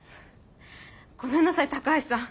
ごめんなさい高橋さん。